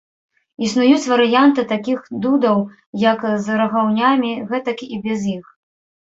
Існуюць варыянты такіх дудаў як з рагаўнямі, гэтак і без іх.